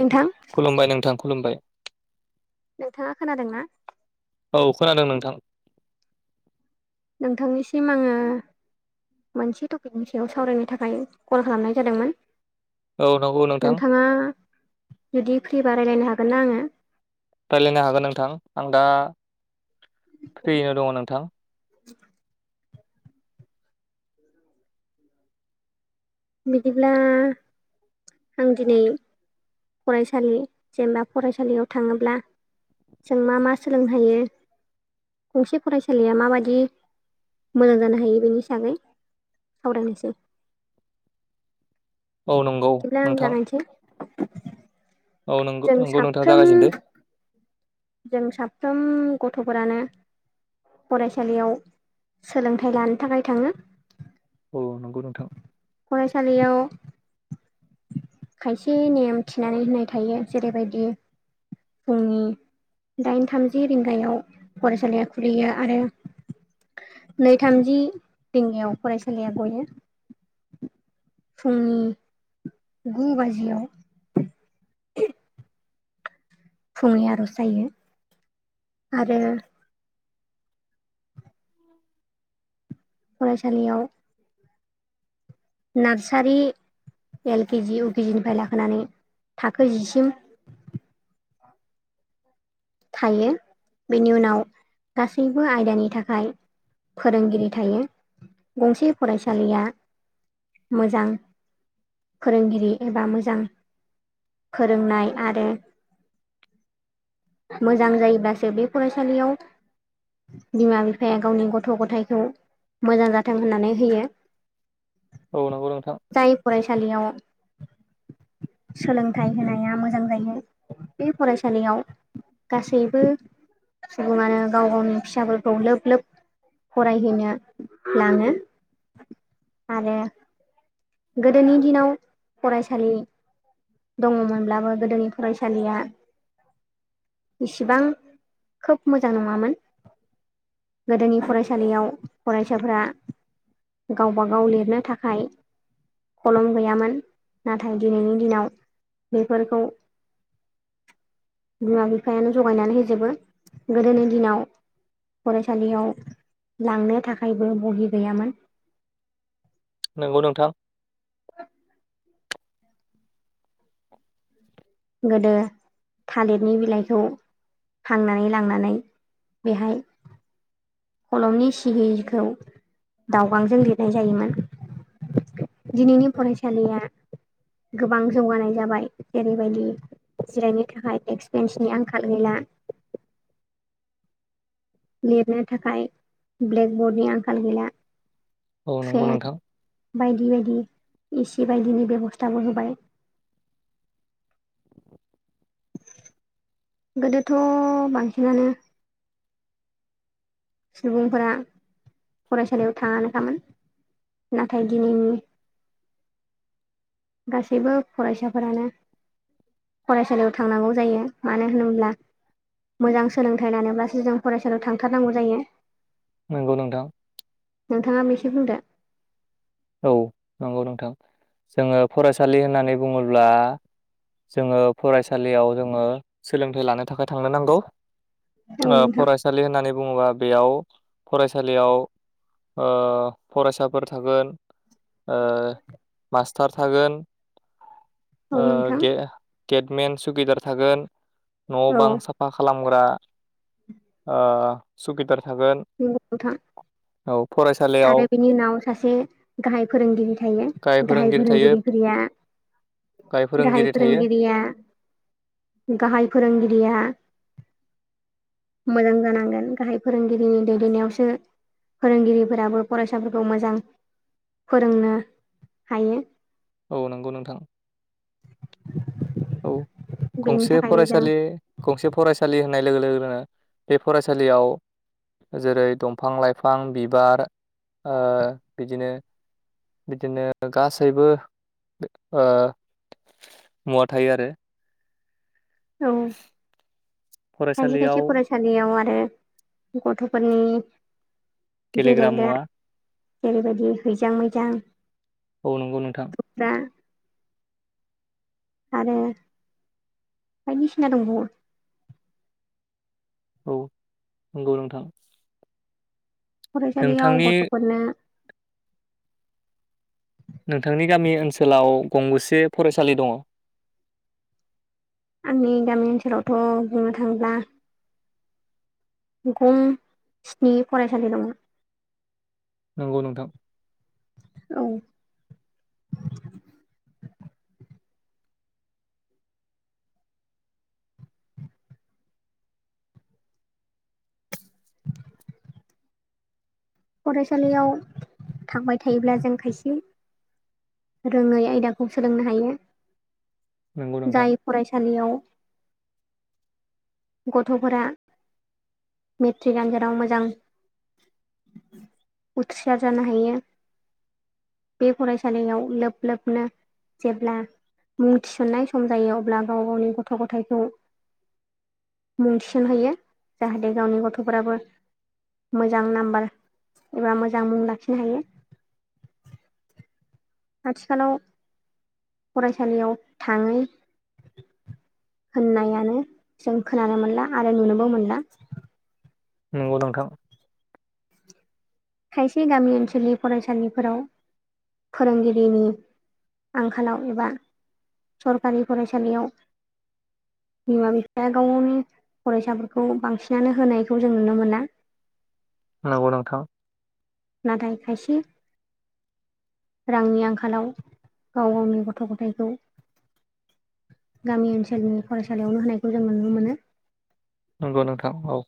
नोंथां खुलुमबाय नोंथां खुलुमबाय नोंथाङा खोनादोंना? औ खोनादों नोंथां। नोंथांनिसिम आङो मोनसे टपिकनि सायाव सावरायनो थाखाय कल खालामनाय जादोंमोन। औ नंगौ नोंथां नोंथाङा जुदि फ्रिबा रायलायनो हागोन ना आङो? रायलायनो हागोन नोंथां आं दा फ्रियैनो दङ नोंथां। [inaudible] [unintelligible] बिदिब्ला आं दिनै फरायसालि जेनेबा फरायसालियाव थाङोब्ला जों मा मा सोलोंनो हायो गंसे फरायसालिया माबायदि मोजां जानो हायो बेनि हिसाबै सावरायनोसै। औ नंगौ बिदिब्ला आं नोंथां। जागायनोसै औ नंगौ जों नंगौ नोंथाङा साफ्रोम जागायजेनदो जों साफ्रोम गथ'फोरानो फरायसालियाव सोलोंथाइ लानो थाखाय थाङो। औ नंगौ नोंथां फरायसालियाव खायसे नेम थिनानै होननाय थायो जेरैबायदि फुंनि दाइन थामजि रिंगायाव फरायसालिया खुलियो आरो नै थामजि रिंगायाव फरायसालिया गयो। फुंनि गु बाजियाव फुनि आर'जायो, आरो फरायसालियाव नार्सारि एल केजि उकेजि निफ्राय लाखानै थाखो जिसिम थायो बेनि उनाव गासैबो आयदानि थाखाय फोरोंगिरि थायो, गंसे फरायसालिया मोजां फोरोंगिरि एबा मोजां फोरोंनाय आरो मोजां जायोब्लासो बे फरायसालियाव बिमा बिफाया गावनि गथ' गथायखौ मोजां जाथों होननानै होयो। औ नंगौ नोंथां जाय फरायसालियाव [inaudible] सोलोंथाइ होनाया मोजां जायो बे फरायसालियाव गासैबो सुबुङानो गाव गावनि फिसाफोरखौ लोब लोब फरायहैनो लाङो। आरो गोदोनि दिनाव फरायसालि दङमोनब्लाबो गोदोनि फरायसालिया इसिबां खोब मोजां नङामोन। गोदोनि फरायसालियाव फरायसाफोरा गावबा गाव लिरनो थाखाय कलम गैयामोन नाथाय दिनैनि दिनाव बेफोरखौ बिमा बिफायानो जगायनानै होजोबो गोदोनि दिनाव फरायसालियाव लांनो थाखायबो बहि गैयामोन। नोंगौ नोंथां। [inaudible] गोदो थालिरनि बिलाइखौ थांनानै लांनानै बेहाय कलमनि सिहिखौ दावगांजों लिरनाय जायोमोन। दिनैनि फरायसालिया गोबां जौगानाय जाबाय, जेरैबायदि जिरायनो थाखाय देक्स बेन्सनि आंखाल गैला। लिरनो थाखाय ब्लेकबर्डनि आंखाल गैला। औ नंगौ फेन नोंथां बायदि बायदि एसि बायदिनि बेब'स्थाबो होबाय। गोदोथ' बांसिनानो सुबुंफोरा फरायसालियाव थाङानो खामोन नाथाय दिनैनि गासैबो फरायसाफोरानो फरायसालियाव थांनांगौ जायो मानो होनोब्ला मोजां सोलोंथाइ लानोब्लासो जों फरायसालियाव थांथारनांगौ जायो नंगौ नोंथां नोंथाङा एसे बुंदो औ नंगौ नोंथां जोङो फरायसालि होननानै बुङोब्ला जोङो फरायसालियाव जोङो सोलोंथाइ लानो थाखाय थांनो नांगौ औ ओ नोंथां फरायसालि होननानै बुङोबा बेयाव फरायसालियाव ओ फरायसाफोर थागोन ओ मास्टार थागोन। औ ओ नोंथां गेटमेन सुगिदार थागोन न' औ बां साफा खालामग्रा ओ सगिदार थागोन नंगौ नोंथां औ फराय आरो बिनि उनाव सासे गाहाय फोरोंगिरि थायो गाहाय फोरोंगिरि थायो फोरोंगिरिफोराया गाहाय फोरोंगिरि थायो फोरोंगिरिया गाहाय फोरोंगिरिया मोजां जानांगोन गाहाय फोरोंगिरिनि दैदेननायावसो फोरोंगिरि फोराबो फरायसाफोरखौ मोजां फोरोंनो हायो। औ नंगौ नोंथां [inaudible] औ बेनि गंसे थाखायनो जों फरायसालि गंसे फरायसालि होननाय लोगो लोगोनो बे फरायसालियाव जेरै दंफां लाइफां बिबार ओ बिदिनो बिदिनो गासैबो थायो आरो औ खायसे खायसे फरायसालियाव फरायसालियाव आरो गथ'फोरनि गेलेग्रा मुवा जेरैबायदि हैैजां मैजां औ नंगौ नोंथां। आरो बायदिसिना दंबावो औ नंगौ नोंथां फरायसालियाव नोंथांनि गथ'फोरनो नोंथांनि गामि ओनसोलाव गंबेसे फरायसालि दङ आंनि गामि ओनसोलावथ' बुंनो थाङोब्ला गं स्नि फरायसालि दं। नंगौ नोंथां। औ फरायसालियाव थांबाय थायोब्ला जों खायसे रोङै आयदाखौ सोलोंनो हायो नंगौ नोंथां जाय फरायसालियाव [inaudible] गथ'फोरा मेट्रिक आन्जादाव मोजां [inaudible] बे फरायसालियाव लोब लोबनो जेब्ला मुं थिसननाय सम जायो अब्ला गाव गावनि गथ' गथायखौ मुं थिसनहैयो जाहाथे गावनि गथ'फोराबो मोजां नाम्बार एबा मोजां मुं लाखिनो हायो आथिखालाव फरायसालियाव थाङौ होननायानो जों खोनानो मोनला आरो नुनोबो मोनला। नंगौ नोंथां। खायसे गामि ओनसोलनि फरायसालिफोराव। फोरोंगिरिनि आंखालाव एबा सरकारि फरायसालियाव। बिमा बिफाया गाव गावनि फरायसाफोरखौ बांसिनानो होनायखौ जों नुनो मोना। [inaudible] नंगौ नोंथां। नाथाय खायसे। रांनि आंखालाव गाव गावनि गथ' गथायखौ। गामि ओनसोलनि फरायसालियावनो होनायखौ जों नुनो मोनो। नोंगौ नोंथां औ।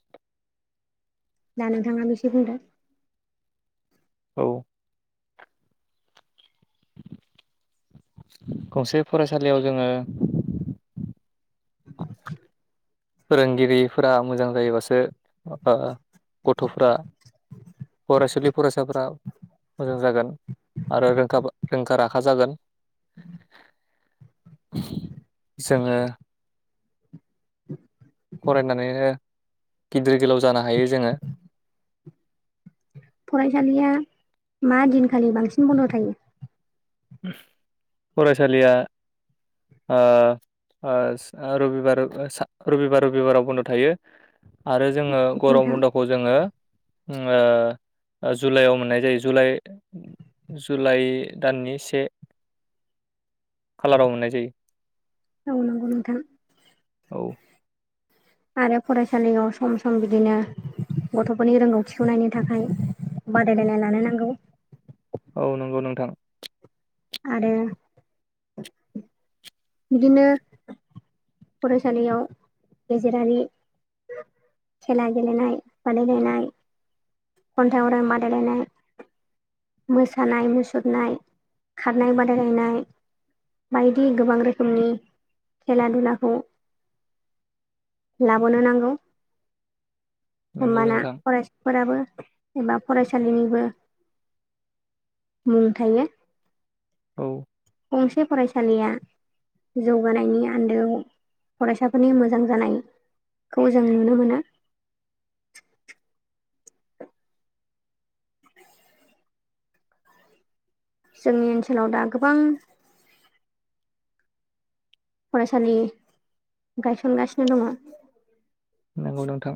दा नोंथाङाबो एसे बुंदो। औ। गंसे फरायसालियाव जोङो। फोरोंगिरिफोरा मोजां जायोबासो ओ गथ'फ्रा। फरायसुलि फरायसाफ्रा। मोजां जागोन आरो रोंखा रोंखा राखा जागोन। जोङो। फरायनानैनो गिदिर गोलाव जानो हायो जोङो। फरायसालिया मा दिनखालि बांसिन बन्द' थायो। फरायसालिया ओ ओ रबिबार रबिबार रबिबाराव बन्द' थायो आरो। जोङो गरम नोंथां बन्दखौ जोङो। ओ जुलाइयाव मोननाय जायो जुलाइ जुलाइ दाननि से। ए कालाराव मोननाय जायो। औ नोंगौ नोंथां। औ आरो फरायसालियाव सम सम बिदिनो। गथ'फोरनि रोंगौथिखौ नायनो थाखाय बादायलायनाय लानो नांगौ। औ नोंगौ नोंथां। आरो। बिदिनो फरायसालियाव गेजेरारि। खेला गेलेनाय बादायलायनाय। कन्थाय आवरायनाय बादायलायनाय। मोसानाय मुसुरनाय खारनाय बादायलायनाय। बायदि गोबां रोखोमनि खेला दुलाखौ। लाबोनो नांगौ नंगौ होमबाना नोंथां फरायसा। फोराबो एबा फरायसालिनिबो। मुं थायो। औ। गंसे फरायसालिया। जौगानायनि आन्दोआव फरायसाफोरनि मोजां जानाय। खौ जों नुनो मोनो। जोंनि ओनसोलाव दा गोबां। फरायसालि गायसनगासिनो दङ। नोंगौ नोंथां।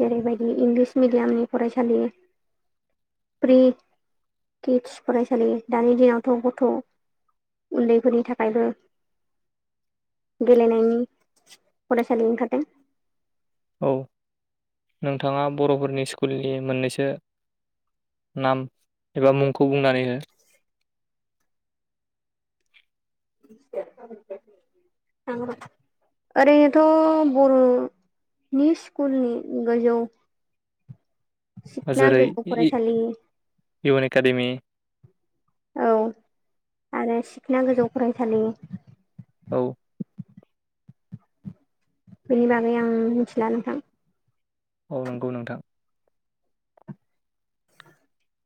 जेरैबायदि इंलिस मेडियामनि फरायसालि। प्रि कितस फरायसालि दानि दिनावथ' गथ'। उन्दैफोरनि थाखायबो। गेलेनायनि फरायसालि ओंखारदों। औ नोंथांङा बर'फोरनि स्कुलनि मोननैसो नाम एबा मुंखौ बुंनानै हो [unintelligible] ओरैनोथ' बर'नि स्कुलनि गोजौ हो सिखना जेरै गोजौ फरायसालि इउएन एकाडेमि औ आरो सिखोन गोजौ फरायसालि औ बेनि बागै आं मिनथिला नोंथां औ नंगौ नोंथां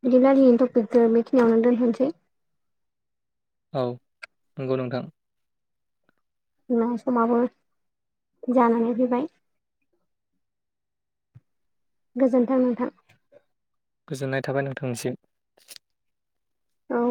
बिब्ला दफ मथिनिांन दोन होनसै औ नंगौ नोंथां। न समाबो जानानै फैबाय गोजोन्थों नोंथां गोजोननाय थाबाय नोंथांनिसि औ